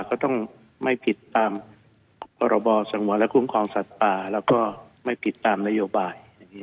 ก็ต้องไม่ผิดตามประบอสังวัลและคุณความศาสตราแล้วก็ไม่ผิดตามนโยบาย